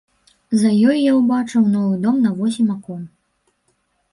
За ёй я ўбачыў новы дом на восем акон.